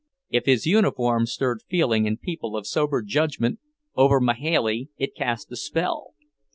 If his uniform stirred feeling in people of sober judgment, over Mahailey it cast a spell.